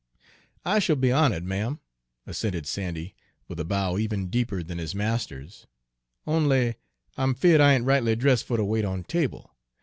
"I shill be honored, ma'am," assented Sandy, with a bow even deeper than his master's, "only I'm 'feared I ain't rightly dressed fer ter wait on table.